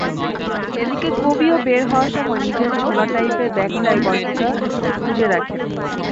এদিকে কবিও বের হওয়ার সময় নিজের ঝোলা টাইপের ব্যাগটায় গল্পটা গুঁজে রাখেন।